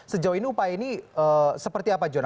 sejauh ini upaya ini seperti apa jona